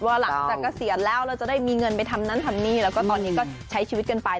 หลังจากเกษียณแล้วเราจะได้มีเงินไปทำนั่นทำนี่แล้วก็ตอนนี้ก็ใช้ชีวิตกันไป